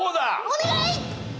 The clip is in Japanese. お願い！